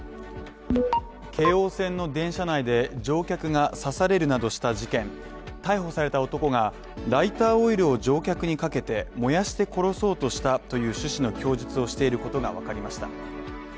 京王線の電車内で乗客が刺されるなどした事件逮捕された男が、ライターオイルを乗客にかけて燃やして殺そうとしたという趣旨の供述をしていることがわかりました。